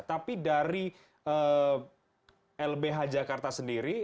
tapi dari lbh jakarta sendiri